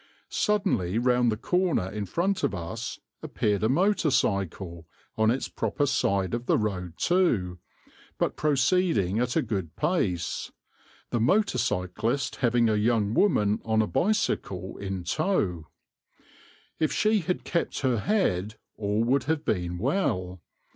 Suddenly, round the corner in front of us, appeared a motor cycle, on its proper side of the road too, but proceeding at a good pace, the motor cyclist having a young woman on a bicycle in tow. If she had kept her head all would have been well.